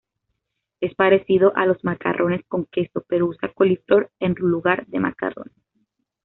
Es parecido a los macarrones con queso, pero usa coliflor en lugar de macarrones.